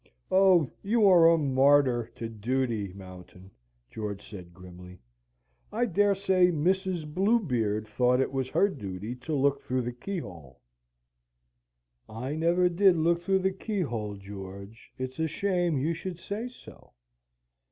"Oh, you are a martyr to duty, Mountain!" George said grimly. "I dare say Mrs. Bluebeard thought it was her duty to look through the keyhole." "I never did look through the keyhole, George. It's a shame you should say so!